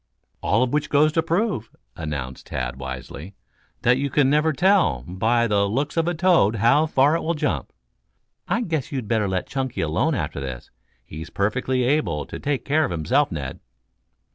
"All of which goes to prove," announced Tad wisely, "that you never can tell, by the looks of a toad, how far it will jump. I guess you'd better let Chunky alone after this. He's perfectly able to take care of himself, Ned."